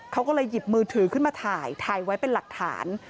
เขาก็เลยหยิบมือถือขึ้นมาถ่ายถ่ายไว้เป็นหลักฐาน